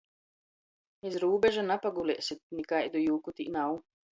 Iz rūbeža napaguliesi, nikaidu jūku tī nav.